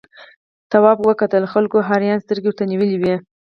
تواب وکتل خلکو حیرانې سترګې ورته نیولې وې.